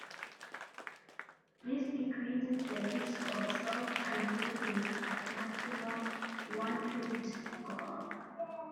This decreases the risk of self-unclipping: at maximum, one twist goes off.